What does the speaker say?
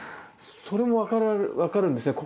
それも分かるんですね